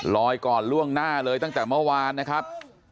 ก่อนล่วงหน้าเลยตั้งแต่เมื่อวานนะครับ